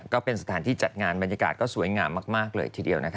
ก็เป็นสถานที่จัดงานบรรยากาศก็สวยงามมากเลยทีเดียวนะคะ